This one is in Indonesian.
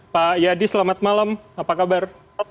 pak yadi selamat malam apa kabar